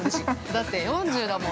だって４０だもん。